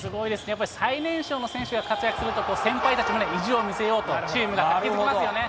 やっぱり最年少の選手が活躍すると、先輩たちも意地を見せようと、チームが活気づきますよね。